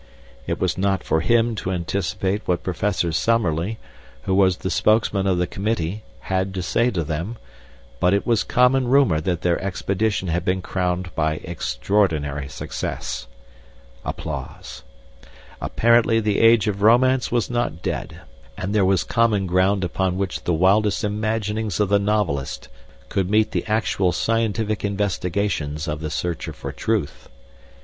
It was not for him to anticipate what Professor Summerlee, who was the spokesman of the committee, had to say to them, but it was common rumor that their expedition had been crowned by extraordinary success.' 'Apparently the age of romance was not dead, and there was common ground upon which the wildest imaginings of the novelist could meet the actual scientific investigations of the searcher for truth.